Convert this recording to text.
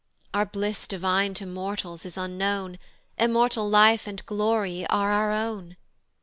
"Our bliss divine to mortals is unknown; "Immortal life and glory are our own.